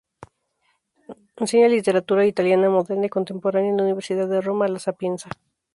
Enseña Literatura italiana moderna y contemporánea en la Universidad de Roma "La Sapienza".